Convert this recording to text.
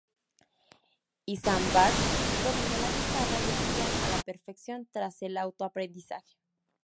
Izambard domina la guitarra y el piano a la perfección, tras el autoaprendizaje.